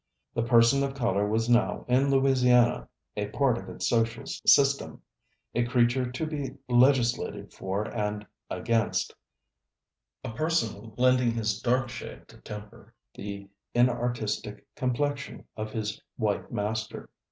The person of color was now, in Louisiana, a part of its social system, a creature to be legislated for and against, a person lending his dark shade to temper the inartistic complexion of his white master.